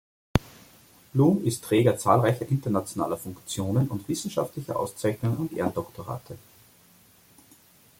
Blum ist Träger zahlreicher internationaler Funktionen und wissenschaftlicher Auszeichnungen und Ehrendoktorate.